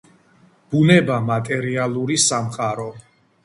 ბუნება მატერიალური სამყარო.